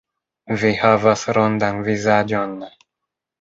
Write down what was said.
Vi havas rondan vizaĝon.